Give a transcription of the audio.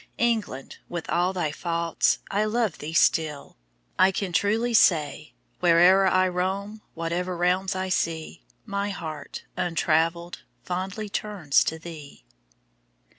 "England, with all thy faults, I love thee still!" I can truly say, Where'er I roam, whatever realms I see. My heart, untraveled, fondly turns to thee.